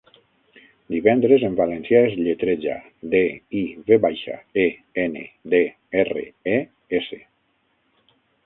'Divendres' en valencià es lletreja: de, i, ve baixa, e, ene, de, erre, e, esse.